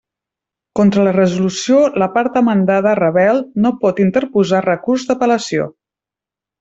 Contra la resolució la part demandada rebel no pot interposar recurs d'apel·lació.